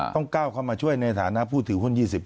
ต้องก้าวเข้ามาช่วยในฐานะผู้ถือหุ้น๒๕